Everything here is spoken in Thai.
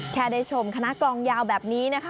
แค่ได้ชมคณะกลองยาวแบบนี้นะคะ